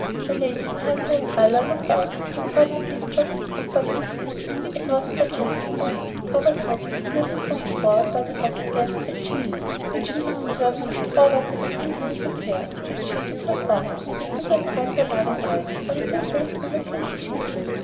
The lady who held the umbrella looked out, and caught the picture of the group under the cliff. It was a suggestive one. Clover's hat was a little pushed forward by the rock against which she leaned, which in its turn pushed forward the waving rings of hair which shaded her forehead, but did not hide her laughing eyes, or the dimples in her pink cheeks.